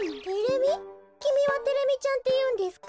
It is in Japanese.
きみはテレミちゃんっていうんですか？